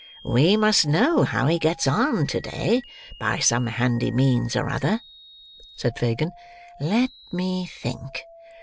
"We must know how he gets on to day, by some handy means or other," said Fagin. "Let me think."